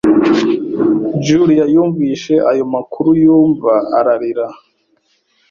Julia yumvise ayo makuru yumva arira.